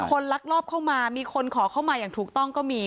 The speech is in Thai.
ลักลอบเข้ามามีคนขอเข้ามาอย่างถูกต้องก็มี